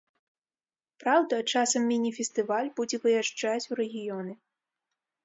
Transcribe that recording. Праўда, часам міні-фестываль будзе выязджаць у рэгіёны.